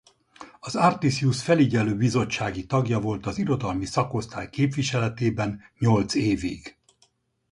Az Artisjus Felügyelő Bizottsági tagja volt az Irodalmi Szakosztály képviseletében nyolc évig.